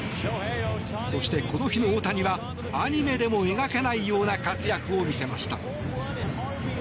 そして、この日の大谷はアニメでも描けないような活躍を見せました。